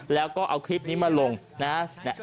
แล้วก็เอาคลิปนี้มาลงนะฮะ